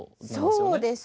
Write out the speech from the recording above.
そうです！